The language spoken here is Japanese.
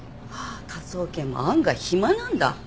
科捜研も案外暇なんだ。